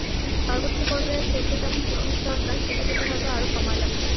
সর্বোচ্চ পর্যায়ে খেলতে যেমন ফিটনেস দরকার সেটা পেতে হয়তো আরও সময় লাগবে।